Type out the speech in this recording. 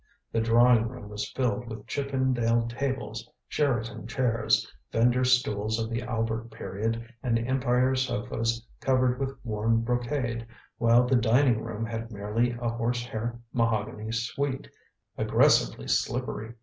The drawing room was filled with Chippendale tables, Sheraton chairs, fender stools of the Albert period, and Empire sofas covered with worn brocade, while the dining room had merely a horsehair mahogany suite, aggressively slippery.